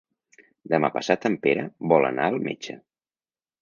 Demà passat en Pere vol anar al metge.